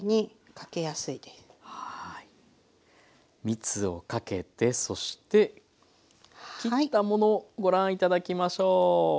みつをかけてそして切ったものご覧頂きましょう。